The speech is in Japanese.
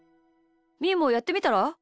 みーもやってみたら？